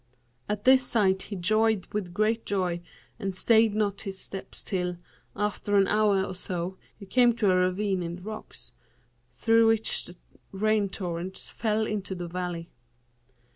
At this sight he joyed with great joy and stayed not his steps till, after an hour or so, he came to a ravine in the rocks, through which the rain torrents fell into the valley.